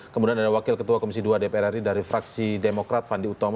kemudian ada wakil ketua komisi dua dpr ri dari fraksi demokrat fandi utomo